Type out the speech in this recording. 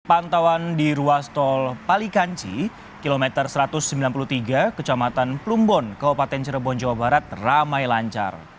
pantauan di ruas tol palikanci kilometer satu ratus sembilan puluh tiga kecamatan plumbon kabupaten cirebon jawa barat ramai lancar